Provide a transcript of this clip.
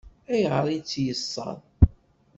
Ayɣer i tt-yeṣṣeṛ?